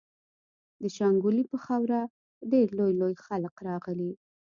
د شانګلې پۀ خاوره ډېر لوئ لوئ خلق راغلي